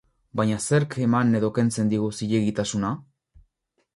Baina zerk eman edo kentzen digu zilegitasuna?